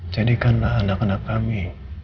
jadikanlah anak anak kami